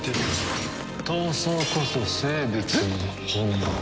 闘争こそ生物の本能。